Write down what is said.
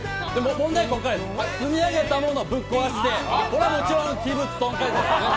本題はここからです、積み上げたものをぶっ壊して、これはもちろん器物損壊罪ですね